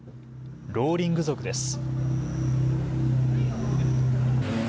ローリング族です。